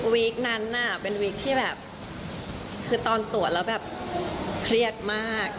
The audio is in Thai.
วิกนั้นน่ะเป็นวีคที่แบบคือตอนตรวจแล้วแบบเครียดมาก